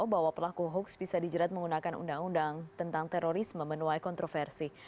bahwa pelaku hoax bisa dijerat menggunakan undang undang tentang terorisme menuai kontroversi